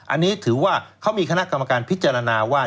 อันนี้ถือว่าเขามีคณะกรรมการพิจารณาว่า